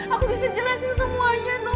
aku bisa jelasin semuanya